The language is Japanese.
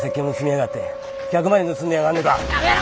やめろ！